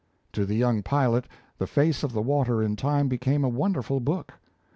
To the young pilot, the face of the water in time became a wonderful book.